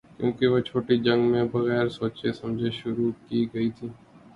کیونکہ وہ چھوٹی جنگ بھی بغیر سوچے سمجھے شروع کی گئی تھی۔